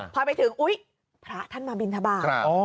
พอไปถึงอุ๊ยพระท่านมาบินทบาท